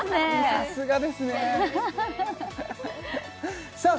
さすがですねさあ